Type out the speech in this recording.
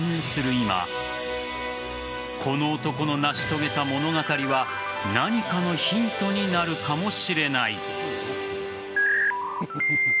今この男の成し遂げた物語は何かのヒントになるかもしれない。